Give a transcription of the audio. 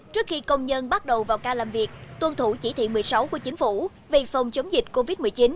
trước khi công nhân bắt đầu vào ca làm việc tuân thủ chỉ thị một mươi sáu của chính phủ về phòng chống dịch covid một mươi chín